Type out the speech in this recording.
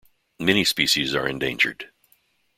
Many species are endangered.